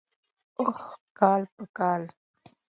اوح کال په کال.